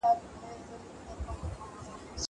زه اجازه لرم چي لوښي وچوم!